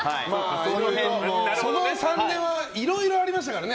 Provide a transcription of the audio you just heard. その３年はいろいろありましたからね。